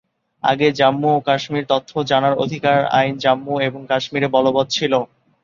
আগে, জম্মু ও কাশ্মীর তথ্য জানার অধিকার আইন জম্মু এবং কাশ্মীরে বলবৎ ছিল।